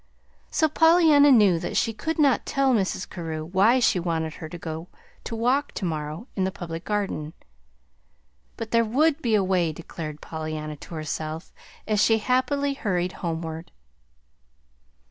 So Pollyanna knew that she could not tell Mrs. Carew why she wanted her to go to walk to morrow in the Public Garden. But there would be a way, declared Pollyanna to herself as she happily hurried homeward.